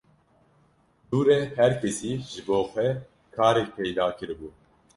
Dû re her kesî ji bo xwe karek peyda kiribû